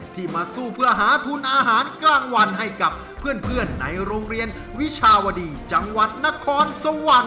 ที่มาสู้เพื่อหาทุนอาหารกลางวันให้กับเพื่อนในโรงเรียนวิชาวดีจังหวัดนครสวรรค์